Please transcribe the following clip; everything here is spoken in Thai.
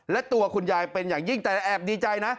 และตัวคุณยายเป็นอย่างยิ่งแต่แอบดีใจนะ